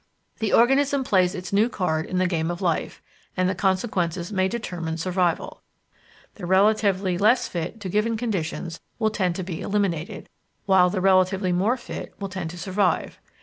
The organism plays its new card in the game of life, and the consequences may determine survival. The relatively less fit to given conditions will tend to be eliminated, while the relatively more fit will tend to survive.